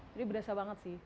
jadi berasa banget sih